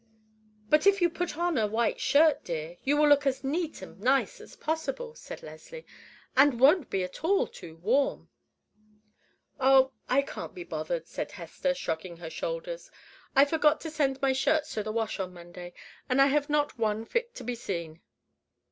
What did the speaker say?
"But if you put on a white shirt, dear, you will look as neat and nice as possible," said Leslie; "and won't be at all too warm." "Oh, I can't be bothered," said Hester, shrugging her shoulders. "I forgot to send my shirts to the wash on Monday, and I have not one fit to be seen."